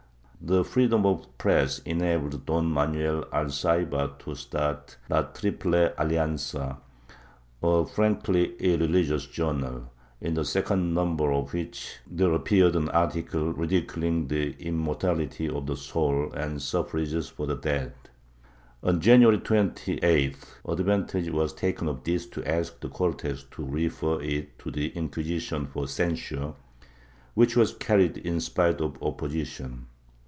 The freedom of the press enabled Don Manuel Alzaibar to start ''La Triple Alian za," a frankly irreligious journal, in the second number of which there appeared an article ridiculing the immortality of the soul and suffrages for the dead. On January 28th advantage was taken of this to ask the Cortes to refer it to the Inquisition for censure, which was carried in spite of opposition.